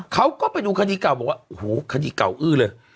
เขาก็ไปดูคดีเก่าบอกว่าโอ้โหคดีเก่าอื้อเลย